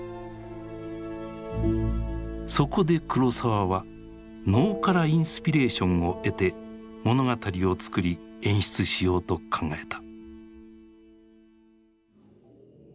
そこで黒澤は能からインスピレーションを得て物語を作り演出しようと考えた。